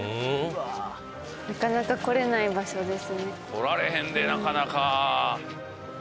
来られへんでなかなか。